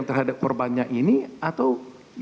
meta matanya int antagonist